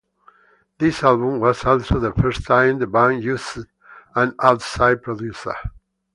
This album was also the first time the band used an outside producer.